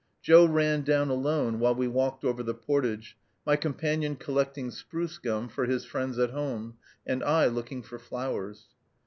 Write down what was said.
Joe ran down alone while we walked over the portage, my companion collecting spruce gum for his friends at home, and I looking for flowers.